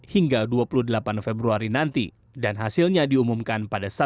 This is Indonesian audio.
hingga dua puluh delapan februari nanti dan hasilnya diumumkan pada